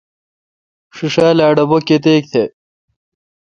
ݭیݭال اے°ا ڈبے°کتیک تہ۔